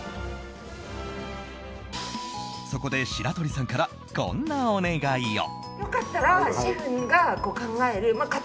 そこで、白鳥さんからこんなお願いを。